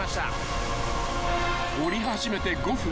［おり始めて５分